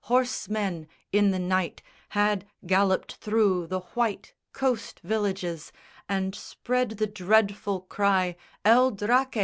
Horsemen in the night Had galloped through the white coast villages And spread the dreadful cry "El Draque!"